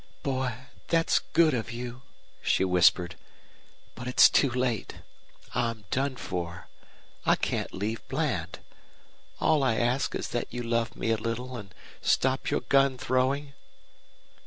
"Boy, that's good of you," she whispered, "but it's too late. I'm done for. I can't leave Bland. All I ask is that you love me a little and stop your gun throwing."